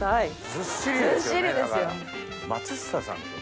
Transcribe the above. ずっしりですよね。